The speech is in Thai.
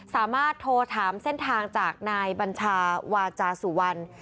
สามารถโทรถามเส้นทางจากนายบัญชาวาจาสุวรรณ